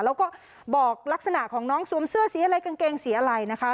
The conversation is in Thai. แล้วก็บอกลักษณะของน้องสวมเสื้อสีอะไรกางเกงสีอะไรนะคะ